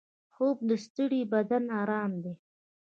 خوب د ستړي بدن ارام دی